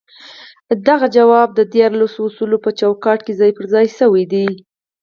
دغه ځواب د ديارلسو اصولو په چوکاټ کې ځای پر ځای شوی دی.